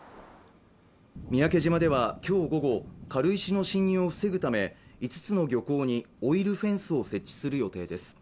三宅島ではきょう午後軽石の侵入を防ぐため５つの漁港にオイルフェンスを設置する予定です